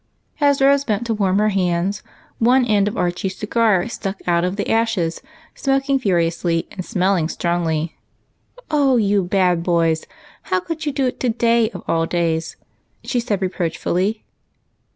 As Rose bent to warm her hands, one end of Archie's cigar stuck out of the ashes, smoking furiously and smelling strongly. " Oh, you bad boys, how could you do it, to day of all days?" she said reproachfully.